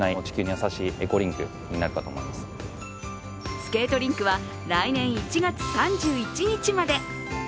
スケートリンクは来年１月３１日まで。